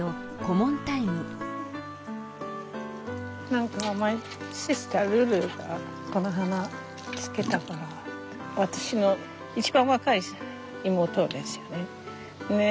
何かマイシスタールルがこの花つけたから私の一番若い妹ですよね。